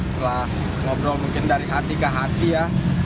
setelah ngobrol mungkin dari hati ke hati ya